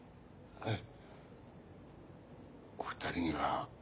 はい。